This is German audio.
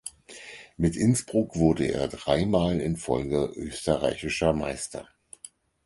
Mit Innsbruck wurde er dreimal in Folge österreichischer Meister.